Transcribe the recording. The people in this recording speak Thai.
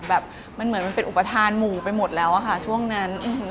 เหมือนเป็นอุปทานหมู่ไปหมดแล้วช่วงนั้น